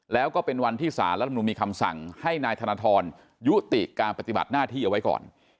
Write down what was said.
แล้วก็เป็นวันที่สารรัฐมนุนมีคำสั่งให้นายธนทรยุติการปฏิบัติหน้าที่เอาไว้ก่อน